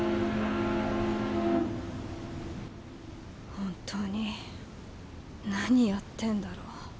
本当に何やってんだろ。